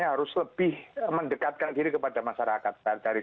harus lebih mendekatkan diri kepada masyarakat